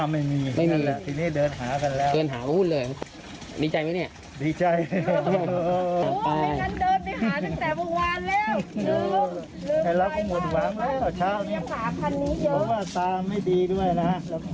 แล้วก็หมดหวังแล้วเดี๋ยวเช้านี้บอกว่าตาไม่ดีด้วยนะ